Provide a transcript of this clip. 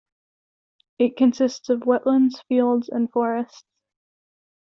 It consists of wetlands, fields, and forests.